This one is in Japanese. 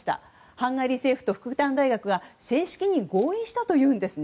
ハンガリー政府と復旦大学が正式に合意したというんです。